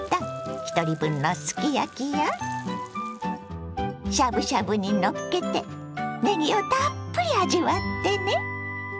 ひとり分のすき焼きやしゃぶしゃぶにのっけてねぎをたっぷり味わってね！